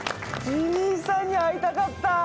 ジミーさんに会いたかった。